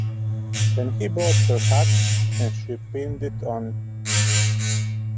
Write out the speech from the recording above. Then he brought her hat, and she pinned it on.